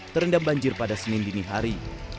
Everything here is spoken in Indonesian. terendam banjir pada senin dinihari